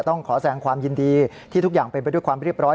ต้องขอแสงความยินดีที่ทุกอย่างเป็นไปด้วยความเรียบร้อย